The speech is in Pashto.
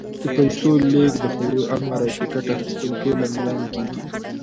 د پیسو لېږد، د خوړو امر، او ټکټ اخیستل ټول آنلاین کېږي.